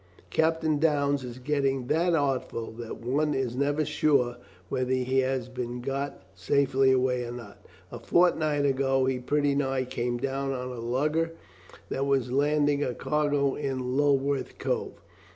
Captain Downes is getting that artful that one is never sure whether he has been got safely away or not. A fortnight ago he pretty nigh came down on a lugger that was landing a cargo in Lulworth Cove.